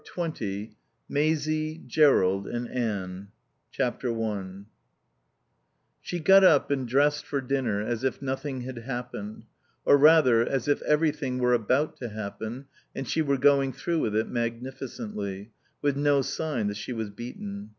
XX MAISIE, JERROLD, AND ANNE i She got up and dressed for dinner as if nothing had happened, or, rather, as if everything were about to happen and she were going through with it magnificently, with no sign that she was beaten.